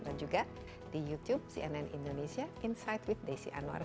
dan juga di youtube cnn indonesia insight with desi anwar